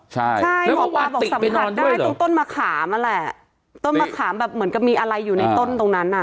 ใช่ใช่หมอปลาบอกสัมผัสได้ตรงต้นมะขามนั่นแหละต้นมะขามแบบเหมือนกับมีอะไรอยู่ในต้นตรงนั้นอ่ะ